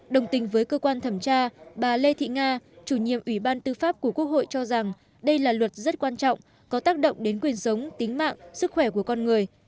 đồng tình với cơ quan thẩm tra bà lê thị nga chủ nhiệm ủy ban tư pháp của quốc hội cho rằng đây là luật rất quan trọng có tác động đến quyền sống tính mạng sức khỏe của con người